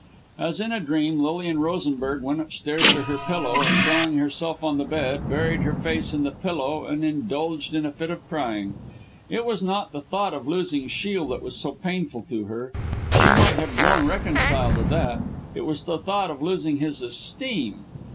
As in a dream, Lilian Rosenberg went upstairs to her room, and throwing herself on the bed, buried her face in the pillow and indulged in a fit of crying. It was not the thought of losing Shiel that was so painful to her she might have grown reconciled to that it was the thought of losing his esteem.